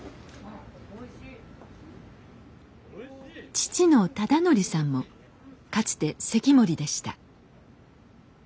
父の忠則さんもかつて堰守でした。